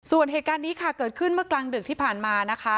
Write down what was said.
ส่วนเหตุการณ์นี้ค่ะเกิดขึ้นเมื่อกลางดึกที่ผ่านมานะคะ